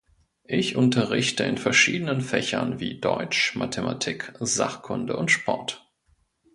Ich unterrichte in verschiedenen Fächern wie Deutsch, Mathematik, Sachkunde und Sport.